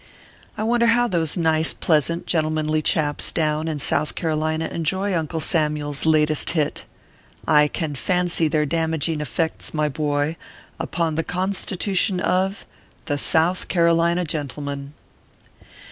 I wonder how those nice, pleasant, gentlemanly chaps down in South Carolina enjoy Uncle Samuel s latest hit ? I can fancy their damaging effects, my boy, upon the constitution of THE SOUTH CAROLINA GENTLEMAN.